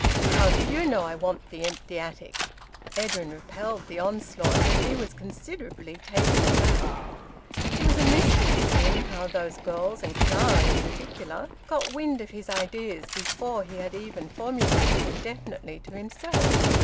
"How do you know I want the empty attic?" Edwin repelled the onslaught; but he was considerably taken aback. It was a mystery to him how those girls, and Clara in particular, got wind of his ideas before he had even formulated them definitely to himself.